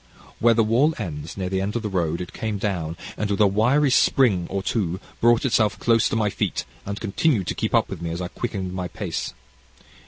"Where the wall ends, near the turn of the road, it came down, and with a wiry spring or two brought itself close to my feet, and continued to keep up with me, as I quickened my pace.